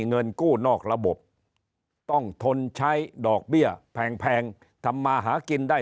เงินกู้นอกระบบต้องทนใช้ดอกเบี้ยแพงทำมาหากินได้